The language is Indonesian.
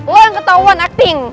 lo yang ketauan acting